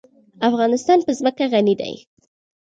افغانستان په ځمکه غني دی.